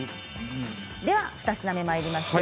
では２品目まいりましょう。